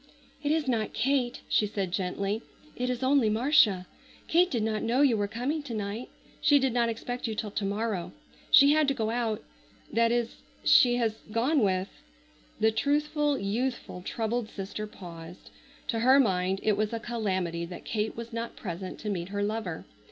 "It is not Kate," she said gently; "it is only Marcia. Kate did not know you were coming to night. She did not expect you till to morrow. She had to go out,—that is—she has gone with—" the truthful, youthful, troubled sister paused. To her mind it was a calamity that Kate was not present to meet her lover.